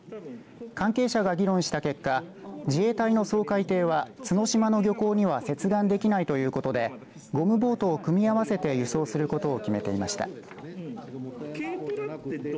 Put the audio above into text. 関係者が議論した結果自衛隊の掃海艇は角島の漁港には接岸できないということでゴムボートを組み合わせて輸送することを決めていました。